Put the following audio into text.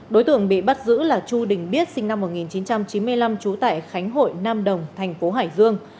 đối tượng bị bắt giữ là chu đình biết sinh năm một nghìn chín trăm chín mươi năm trú tại khánh hội nam đồng thành phố hải dương